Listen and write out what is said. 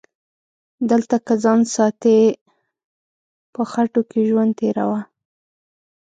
دلته که ځان ساتي په خټو کې ژوندون تیروه